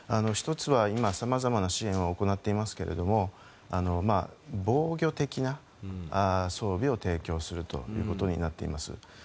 １つは今、さまざまな支援を行っていますけれども防御的な装備を提供するということになっています。